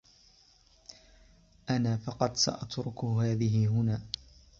أنا فقط سأترك هذه هنا.